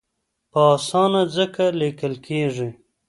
په اسانه ځکه لیکل کېږي.